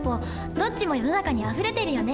どっちも世の中にあふれてるよね。